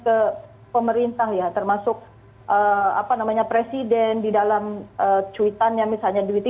dan juga pemerintah ya termasuk presiden di dalam tweetannya misalnya